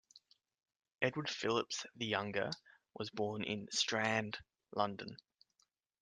Edward Phillips the younger was born in Strand, London.